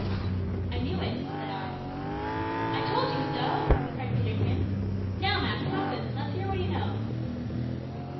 "I knew it," said I. "I told you so," cried Peterkin. "Now, Mak, pump him, and let's hear what he knows."